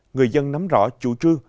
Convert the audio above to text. người dân nắm rõ chủ trương